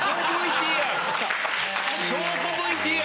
証拠ＶＴＲ？